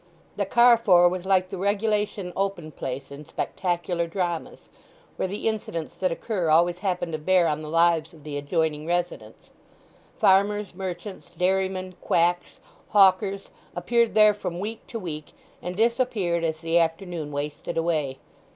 The carrefour was like the regulation Open Place in spectacular dramas, where the incidents that occur always happen to bear on the lives of the adjoining residents. Farmers, merchants, dairymen, quacks, hawkers, appeared there from week to week, and disappeared as the afternoon wasted away.